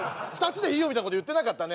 ２つでいいよみたいなこと言ってなかった？